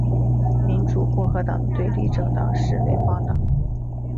民主共和党的对立政党是联邦党。